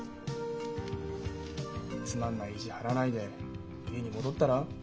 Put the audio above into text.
つまんない意地張らないで家に戻ったら？